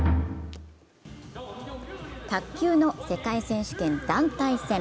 卓球の世界選手権団体戦。